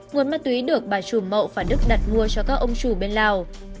nguồn ma túy được bà trùm mậu và đức đặt mua cho các ông chủ bên lào